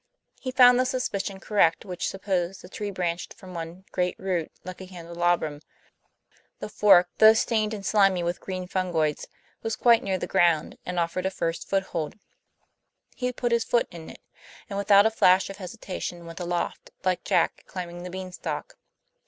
He found the suspicion correct which supposed the tree branched from one great root, like a candelabrum; the fork, though stained and slimy with green fungoids, was quite near the ground, and offered a first foothold. He put his foot in it, and without a flash of hesitation went aloft, like Jack climbing the Bean stalk.